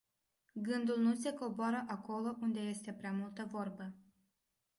Gândul nu se coboară acolo unde este prea multă vorbă.